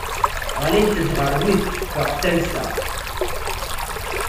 Ɣlint-d ɣer wid teffeɣ talsa.